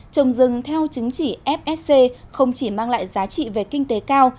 trồng rừng theo chứng chỉ fsc không chỉ mang lại giá trị về kinh tế cao